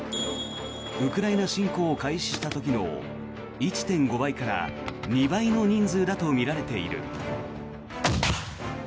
ウクライナ侵攻を開始した時の１．５倍から２倍の人数だとみられている。